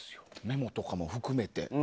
メモとかも含めて。